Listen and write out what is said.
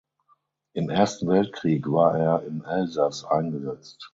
Im Ersten Weltkrieg war er im Elsass eingesetzt.